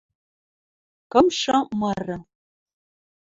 Кымшы мыры